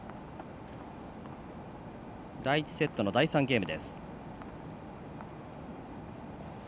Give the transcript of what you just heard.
第１セット、第３ゲーム。